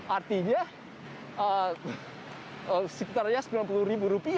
artinya sekitarnya rp sembilan puluh